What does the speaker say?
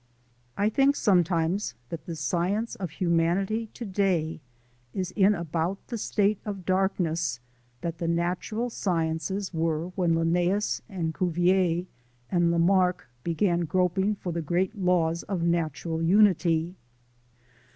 I think sometimes that the science of humanity to day is in about the state of darkness that the natural sciences were when Linneus and Cuvier and Lamarck began groping for the great laws of natural unity.